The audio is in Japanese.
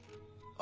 あ。